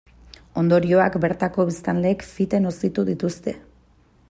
Ondorioak bertako biztanleek fite nozitu dituzte.